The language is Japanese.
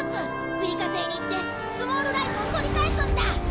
ピリカ星に行ってスモールライトを取り返すんだ。